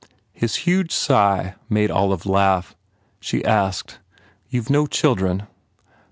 His huge sigh made Olive laugh. She asked, "You ve no children?"